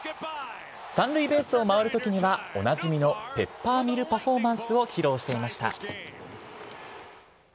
３塁ベースを回るときにはおなじみのペッパーミルパフォーマンスを披露していました。